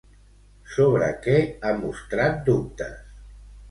Sobre què ha mostrat dubtes?